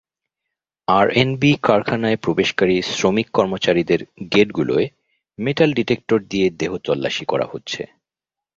RNB কারখানায় প্রবেশকারী শ্রমিক-কর্মচারীদের গেটগুলোয় metal detector দিয়ে দেহ তল্লাশি করা হচ্ছে।